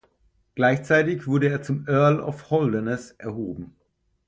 Gleichzeitig wurde er zum Earl of Holderness erhoben.